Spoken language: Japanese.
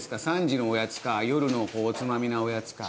３時のおやつか夜のおつまみなおやつか。